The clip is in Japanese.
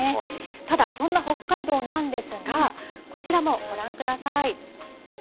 ただ、そんな北海道なんですが、こちらもご覧ください。